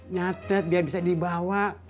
nyatet biar bisa dibawa